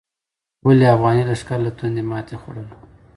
ولې افغاني لښکر له تندې ماتې خوړله؟